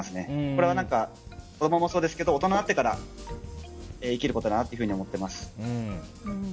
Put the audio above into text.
これは子供もそうですけど大人になってから生きることだなと思っています。